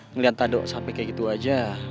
ngeliat tado sampe kayak gitu aja